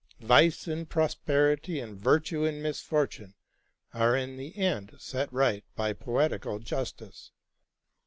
Vice in prosperity, and virtue in misfortune, are in the end set right by poetical justice.